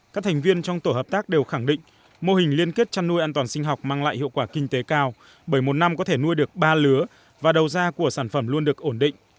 các thành viên trong tổ hợp tác đều khẳng định mô hình liên kết chăn nuôi an toàn sinh học mang lại hiệu quả kinh tế cao bởi một năm có thể nuôi được ba lứa và đầu ra của sản phẩm luôn được ổn định